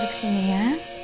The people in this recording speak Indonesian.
duduk sini ya